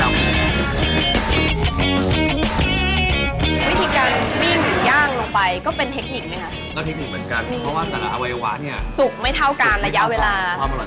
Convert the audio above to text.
วิธีการวิ่งย่างลงไปก็เป็นเทคนิคไหมคะ